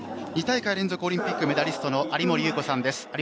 ２大会連続オリンピックメダリストの有森裕子さんです。